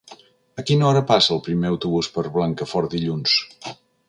A quina hora passa el primer autobús per Blancafort dilluns?